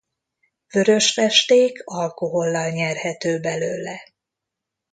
Vörös festék alkohollal nyerhető belőle.